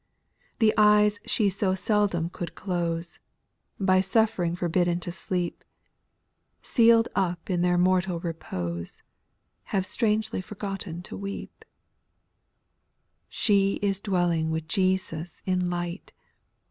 8. The eyes she so seldom could close, By suflf 'ring forbidden to sleep, Seal'd up in their mortal repose. Have strangely forgotten to weep : She is dwelling with Jesus in light.